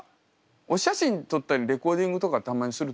お写真撮ったりレコーディングとかたまにすると思いますよ。